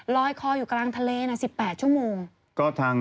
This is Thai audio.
ลอยคออยู่กลางทะเล๑๘ชั่วโมง